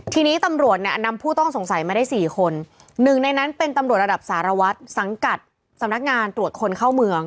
ทีนี้ตำรวจเนี่ยนำผู้ต้องสงสัยมาได้สี่คนหนึ่งในนั้นเป็นตำรวจระดับสารวัตรสังกัดสำนักงานตรวจคนเข้าเมือง